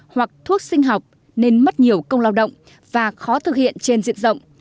hoặc thuốc sinh học nên mất nhiều công lao động và khó thực hiện trên diện rộng